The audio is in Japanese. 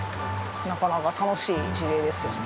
なかなか楽しい事例ですよね。